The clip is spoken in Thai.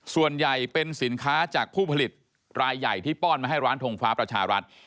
ส่วนใหญ่เป็นสินค้าจากผู้ผลิตรายใหญ่ที่ป้อนมาให้ร้านทงฟ้าประชารัฐ